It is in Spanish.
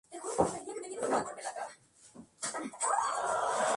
Tiene de tres a cinco costillas con las areolas muy separadas.